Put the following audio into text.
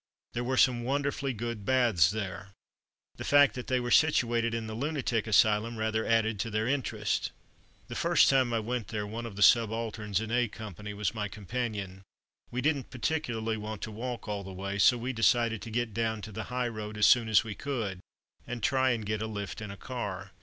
There were some wonderfully good baths there. The fact that they were situated in the lunatic asylum rather added to their interest. The first time I went there, one of the subalterns in A Company was my companion. We didn't particularly want to walk all the way, so we decided to get down to the high road as soon as we could, and try and get a lift in a car.